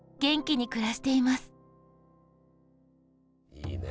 いいね。